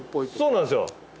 そうなんですよ。